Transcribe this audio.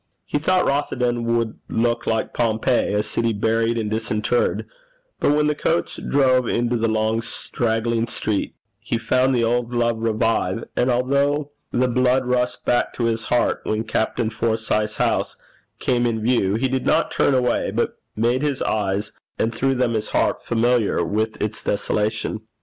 He thought Rothieden would look like Pompeii, a city buried and disinterred; but when the coach drove into the long straggling street, he found the old love revive, and although the blood rushed back to his heart when Captain Forsyth's house came in view, he did not turn away, but made his eyes, and through them his heart, familiar with its desolation.